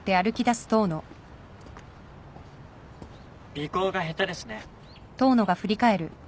尾行が下手ですね。